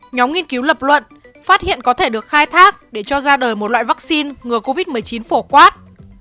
nhóm nghiên cứu lập luận phát hiện có thể được khai thác để cho ra đời một loại vaccine ngừa covid một mươi chín phổ quát